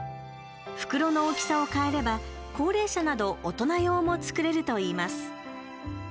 袋の大きさを変えれば高齢者など大人用も作れるといいます。